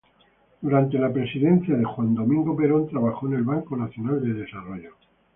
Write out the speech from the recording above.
Durante la presidencia de Juan Domingo Perón trabajó en el Banco Nacional de Desarrollo.